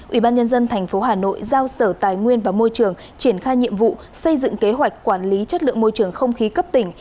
ubnd tp hà nội giao sở tài nguyên và môi trường triển khai nhiệm vụ xây dựng kế hoạch quản lý chất lượng môi trường không khí cấp tỉnh